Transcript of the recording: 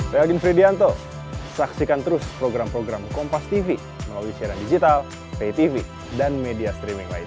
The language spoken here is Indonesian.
reha din fredianto saksikan terus program program kompastv melalui siaran digital paytv dan media streaming lain